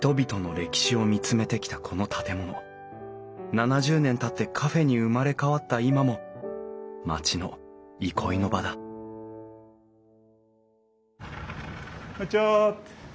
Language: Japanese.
７０年たってカフェに生まれ変わった今も町の憩いの場だこんにちは！